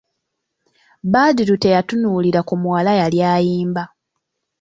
Badru teyatunuulira ku muwala yali ayimba.